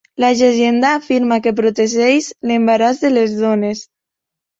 La llegenda afirma que protegeix l'embaràs de les dones.